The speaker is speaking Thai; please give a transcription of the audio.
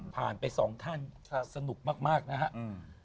ผ่านไปสองท่านครับสนุกมากมากนะฮะอืม